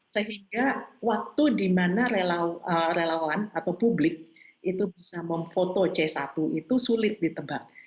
sehingga waktu di mana relawan atau publik itu bisa memfoto c satu itu sulit ditebak